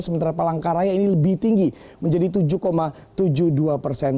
sementara palangkaraya ini lebih tinggi menjadi tujuh tujuh puluh dua persen